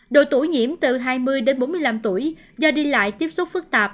đội tủ nhiễm từ hai mươi đến bốn mươi năm tuổi do đi lại tiếp xúc phức tạp